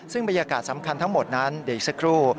ซึ่งบรรยากาศสำคัญทั้งหมดนั้นเดี๋ยวอีกสักครู่